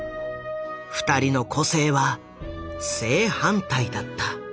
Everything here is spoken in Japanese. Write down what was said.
二人の個性は正反対だった。